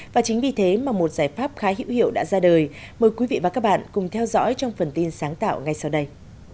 và chính vì thế mà một giải pháp khá hữu hiệu đã ra đời mời quý vị và các bạn cùng theo dõi trong phần tin sáng tạo ngay sau đây